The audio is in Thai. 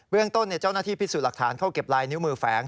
เรื่องต้นเจ้าหน้าที่พิสูจน์หลักฐานเข้าเก็บลายนิ้วมือแฝง